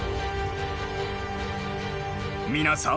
皆さん